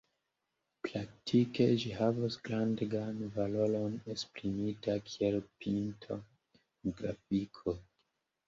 Praktike ĝi havos grandegan valoron esprimita kiel pinto en grafiko.